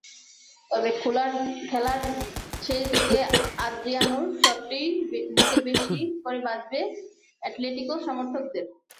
তবে খেলার শেষ দিকে আদ্রিয়ানোর শটটিই বুকে বেশি করে বাজবে অ্যাটলেটিকো সমর্থকদের।